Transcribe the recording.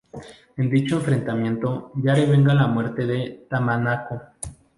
En dicho enfrentamiento Yare venga la muerte de Tamanaco.